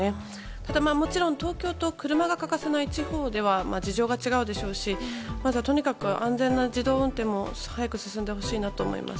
ただ、もちろん東京と車が欠かせない地方とでは事情が違うでしょうしまた、とにかく安全な自動運転も早く進んでほしいなと思います。